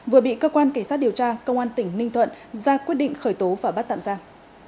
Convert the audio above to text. vừa bị cơ quan cảnh sát điều tra công an tỉnh ninh thuận ra quyết định khởi tố và bắt tạm giam